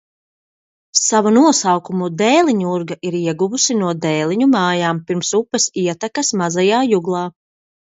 Savu nosaukumu Dēliņurga ir ieguvusi no Dēliņu mājām pirms upes ietakas Mazajā Juglā.